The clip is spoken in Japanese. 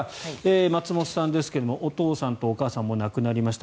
松本さんですがお父さんとお母さんもう亡くなりました。